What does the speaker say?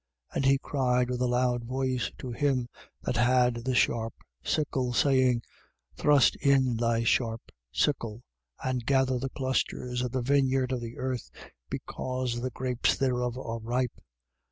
And he cried with a loud voice to him that had the sharp sickle, saying: Thrust in thy sharp sickle and gather the clusters of the vineyard of the earth, because the grapes thereof are ripe.